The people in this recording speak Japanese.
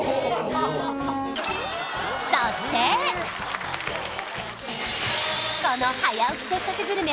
そしてこの「早起きせっかくグルメ！！」